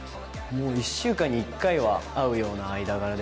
もう１週間に１回は会うような間柄です。